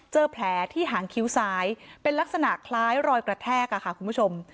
แผลที่หางคิ้วซ้ายเป็นลักษณะคล้ายรอยกระแทกค่ะคุณผู้ชม